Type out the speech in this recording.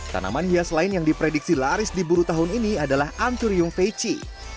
tanaman hias lain yang diprediksi laris di buru tahun ini adalah anthurium feci